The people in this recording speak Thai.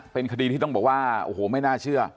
เป็นคดีที่ต้องบอกว่าโอ้โหไม่น่าเชื่อ